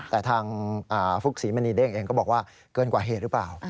แต่ทางฟุกศรีมณีเด้งเองก็บอกว่าเกินกว่าเหตุหรือเปล่า